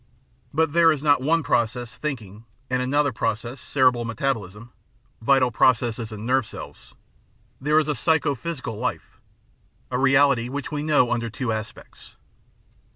But there is not one process, thinking, and another process, cerebral metabolism (vital processes in nerve cells) ; there is a psycho physical life — a reality which we know under two aspects.